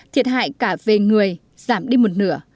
thiệt hại cả về người giảm đi một nửa